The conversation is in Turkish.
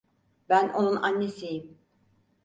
Ben onun annesiyim.